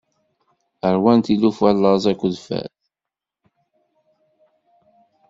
Ṛwan tilufa laẓ akked fad.